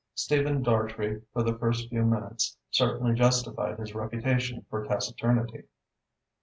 Stephen Dartrey for the first few minutes certainly justified his reputation for taciturnity.